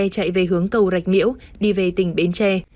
đoàn xe chạy về hướng cầu rạch miễu đi về tỉnh bến tre